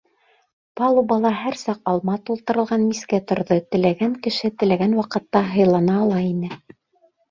Палубала һәр саҡ алма тултырылған мискә торҙо, теләгән кеше теләгән ваҡытта һыйлана ала ине.